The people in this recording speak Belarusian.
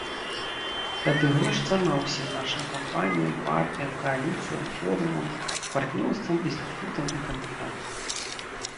Тады грош цана ўсім нашым кампаніям, партыям, кааліцыям, форумам, партнёрствам, інстытутам і кандыдатам.